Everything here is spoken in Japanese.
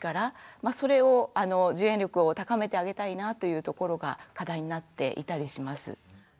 まあそれを受援力を高めてあげたいなというところが課題になっていたりします。